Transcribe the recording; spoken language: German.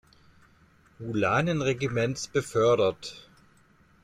Ulanenregiments befördert.